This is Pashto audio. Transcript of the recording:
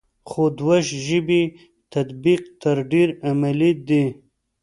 خو دوه ژبې تطبیق تر ډېره عملي دی ا